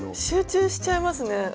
集中しちゃいますね。